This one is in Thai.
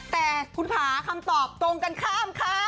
แต่คุณผาคำตอบตรงกันข้ามค่ะ